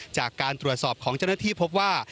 จากการตรวจสอบของเจ้าหน้าที่พบว่า